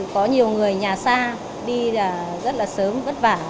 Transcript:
có nhiều người nhà xa đi là rất là sớm vất vả